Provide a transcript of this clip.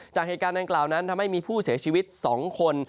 จากเหตุการณ์ดังกล่าวนั้นทำให้มีผู้เสียชีวิต๒คน